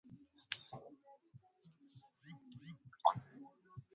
ee hizi nguvu na bidii za nchi za kimataifa zitam zita zitamng oa